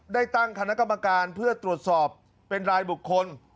ได้ตั้งคณะกรรมการเพื่อตรวจสอบเป็นรายบุคคล